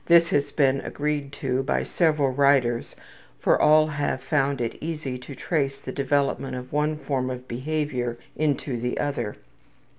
This has been agreed to by several writers, for all have found it easy to trace the development of one form of behavior into the other.